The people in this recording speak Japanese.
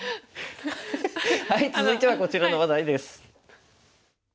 続いてはこちらの話題です。